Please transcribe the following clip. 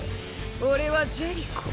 俺はジェリコ。